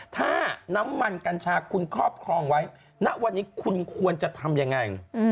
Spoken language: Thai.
ถ้าน้ำมันกัญชาคุณครอบครองไว้ณวันนี้คุณควรจะทำยังไง